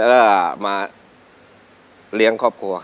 ง่ายร้องครบ๑๐เพศ